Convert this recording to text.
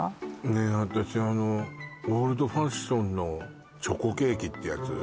ねえ私あのオールドファッションのチョコケーキってやつ？